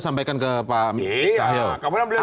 sampaikan ke pak mikahil iya